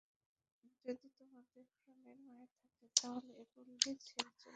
যদি তোমাদের প্রাণের মায়া থাকে তাহলে এ পল্লী ছেড়ে চলে যাও।